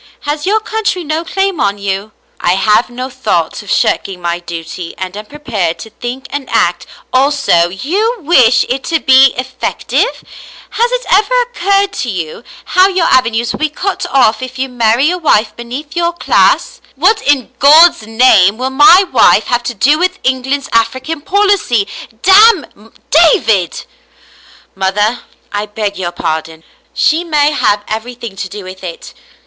Has your country no claim on you ?" "I have no thought of shirking my duty, and am prepared to think and act also —" "You wish it to be effective .f* Has it never occurred to you how your avenues will be cut off if you marry a wife beneath your class ?" "What in God's name will my wife have to do with England's African policy.'^ Damme —" "David!" "Mother — I beg your pardon —" "She may have everything to do with it.